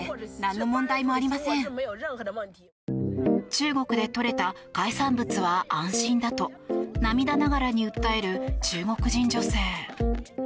中国でとれた海産物は安心だと涙ながらに訴える中国人女性。